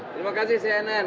terima kasih cnn